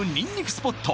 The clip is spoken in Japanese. スポット